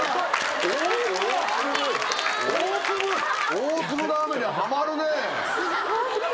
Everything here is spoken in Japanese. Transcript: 大粒の雨にはまるね。